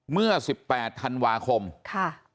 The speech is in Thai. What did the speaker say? เมื่อ๑๘ธันวาคมค่ะ